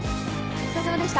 お疲れさまです。